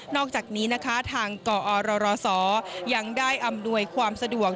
อกจากนี้นะคะทางกอรศยังได้อำนวยความสะดวก